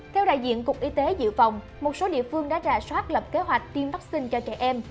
theo đại diện cục y tế dự phòng một số địa phương đã rà soát lập kế hoạch tiêm vaccine cho trẻ em